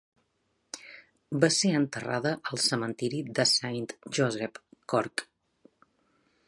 Va ser enterrada al cementiri de Saint Josep, Cork.